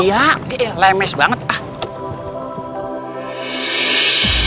iya lemes banget ah